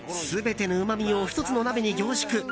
全てのうまみを１つの鍋に凝縮。